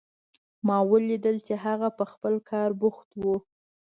ما ولیدل چې هغه په خپل کار بوخت و